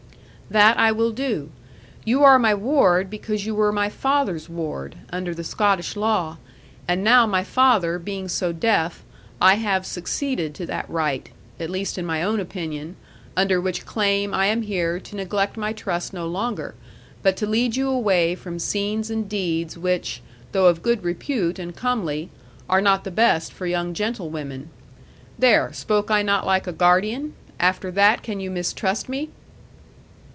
'"That I will do. You are my ward because you were my father's ward, under the Scottish law; and now my father being so deaf, I have succeeded to that right at least in my own opinion under which claim I am here to neglect my trust no longer, but to lead you away from scenes and deeds which (though of good repute and comely) are not the best for young gentlewomen. There spoke I not like a guardian? After that can you mistrust me?"